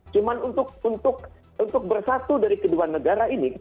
cuma untuk bersatu dari kedua negara ini